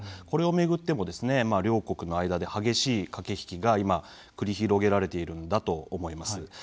これを巡っても両国の間で激しい駆け引きが今、繰り広げられていると思います。